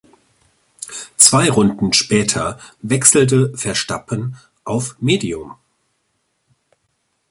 Zwei Runden später wechselte Verstappen auf "Medium".